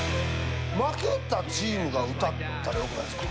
負けたチームが歌ったらよくないですか？